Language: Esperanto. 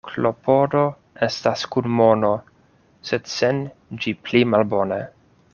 Klopodo estas kun mono, sed sen ĝi pli malbone.